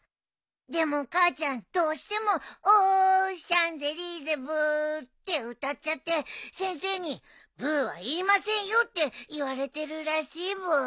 でも母ちゃんどうしても「オ・シャンゼリゼブー」って歌っちゃって先生に「ブーはいりませんよ」って言われてるらしいブー。